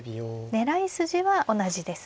狙い筋は同じですね。